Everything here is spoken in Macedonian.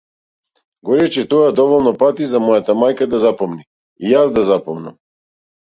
Го рече тоа доволно пати за мојата мајка да запомни, и јас да запомнам.